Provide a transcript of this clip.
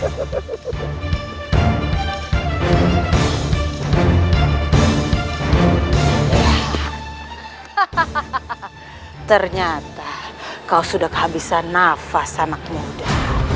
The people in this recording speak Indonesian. hahaha ternyata kau sudah kehabisan nafas anak muda